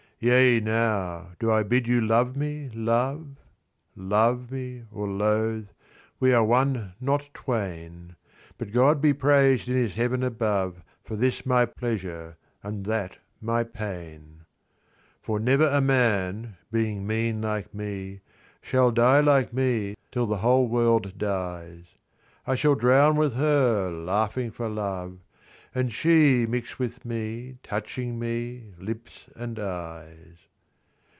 "Yea, now, do I bid you love me, love? Love me or loathe, we are one not twain. But God be praised in his heaven above For this my pleasure and that my pain! "For never a man, being mean like me, Shall die like me till the whole world dies. I shall drown with her, laughing for love; and she Mix with me, touching me, lips and eyes.